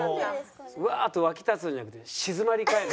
うわー！と沸き立つんじゃなくて静まり返る。